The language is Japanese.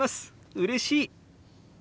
うれしい！」。